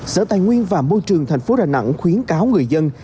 sở tài nguyên và môi trường tp đà nẵng khuyến cáo người dân